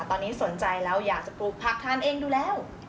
ตอนนี้สนใจแล้วอยากจะปลูกผักทานเองดูแล้ว